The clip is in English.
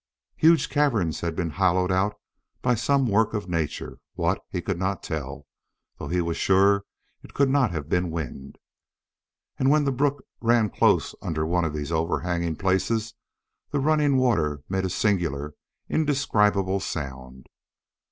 Huge caverns had been hollowed out by some work of nature, what, he could not tell, though he was sure it could not have been wind. And when the brook ran close under one of these overhanging places the running water made a singular, indescribable sound.